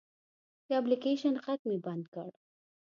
د اپلیکیشن غږ مې بند کړ.